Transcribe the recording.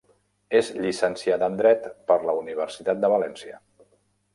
És llicenciada en dret per la Universitat de València.